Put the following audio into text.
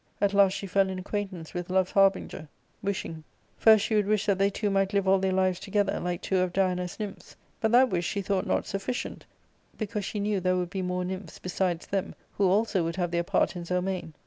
At last she fell in acquaintance with love's harbinger — wishing. First she would wish that they two might live all their lives together, like two of Diana's nymphs; but that wish she thought not sufficient, because she knew there would be more nymphs besides them, who also would have their part in Zelmane.